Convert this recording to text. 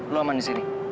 lo aman disini